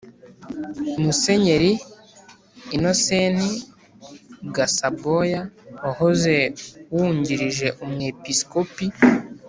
musenyeri inosenti gasabwoya, wahoze yuwungirije umwepisikopi